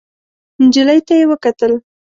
نجلۍ ته يې وکتل.